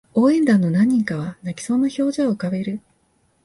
応援団の何人かは泣きそうな表情を浮かべる